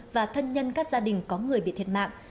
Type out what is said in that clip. và thân nhân các gia đình có người bị thiệt mạng